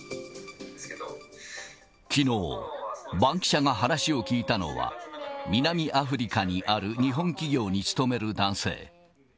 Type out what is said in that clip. きのう、バンキシャが話を聞いたのは、南アフリカにある日本企業に勤める男性。